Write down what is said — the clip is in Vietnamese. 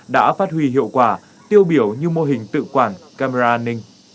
đã phát huy hiệu quả tiêu biểu như mô hình tự quản camera an ninh